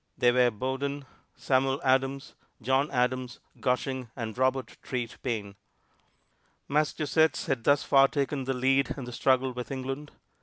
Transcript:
They were Bowdoin, Samuel Adams, John Adams, Gushing and Robert Treat Paine. Massachusetts had thus far taken the lead in the struggle with England.